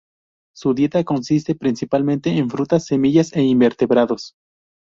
Su dieta consiste principalmente en frutas, semillas e invertebrados.